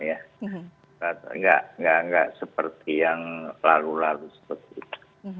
tidak seperti yang lalu lalu seperti itu